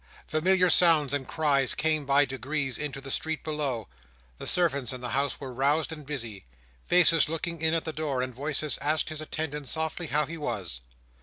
Familiar sounds and cries came by degrees into the street below; the servants in the house were roused and busy; faces looked in at the door, and voices asked his attendants softly how he was.